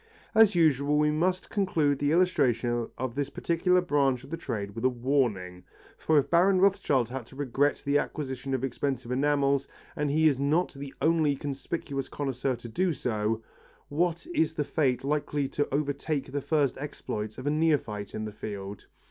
As usual we must conclude the illustration of this particular branch of the trade with a warning, for if Baron Rothschild had to regret the acquisition of expensive enamels, and he is not the only conspicuous connoisseur to do so, what is the fate likely to overtake the first exploits of a neophyte in the field!